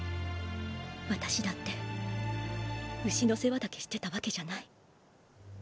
私だって牛の世話だけしてたわけじゃない。